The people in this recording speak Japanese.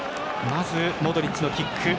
まず、モドリッチのキック。